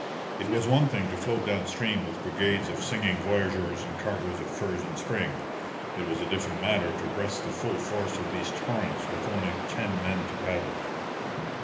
It was one thing to float down stream with brigades of singing voyageurs and cargoes of furs in spring; it was a different matter to breast the full force of these torrents with only ten men to paddle.